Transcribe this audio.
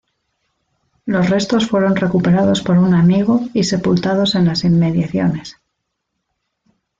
Los restos fueron recuperados por un amigo y sepultados en las inmediaciones.